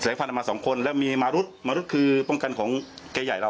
เสียงฟันเติมมาสองคนและมีหมารุฏหมารุฏคือป้องกันของใกล้ใหญ่เรา